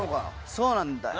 そうなんだよ。